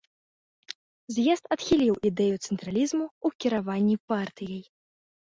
З'езд адхіліў ідэю цэнтралізму ў кіраванні партыяй.